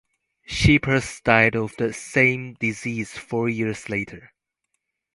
Schippers died of the same disease four years later.